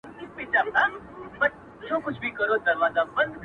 زما دوا د لاس اوبــه “بـــه دي پـــــه يــــاد کي سـاتم”